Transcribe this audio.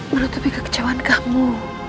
menutupi kekecewaan kamu